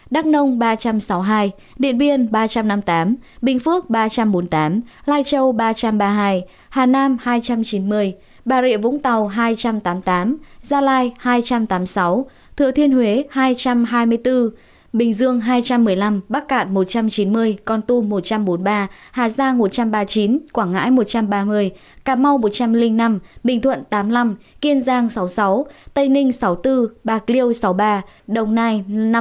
đắk nông ba trăm sáu mươi hai điện biên ba trăm năm mươi tám bình phước ba trăm bốn mươi tám lai châu ba trăm ba mươi hai hà nam hai trăm chín mươi bà rịa vũng tàu hai trăm tám mươi tám gia lai hai trăm tám mươi sáu thựa thiên huế hai trăm hai mươi bốn bình dương hai trăm một mươi năm bắc cạn một trăm chín mươi con tum một trăm bốn mươi ba hà giang một trăm ba mươi chín quảng ngãi một trăm ba mươi cà mau một trăm linh năm bình thuận tám mươi năm kiên giang sáu mươi sáu tây ninh sáu mươi bốn bạc liêu sáu mươi ba đồng nai năm mươi ba